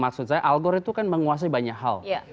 maksud saya algor itu kan menguasai banyak hal